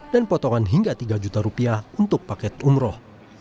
dan potongan hingga tiga juta rupiah untuk paket umroh